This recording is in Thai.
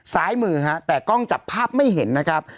ซ้ายมือฮะแต่กล้องจับภาพไม่เห็นนะครับ